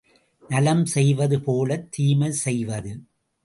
நலம் செய்வது போலத் தீமை செய்வது.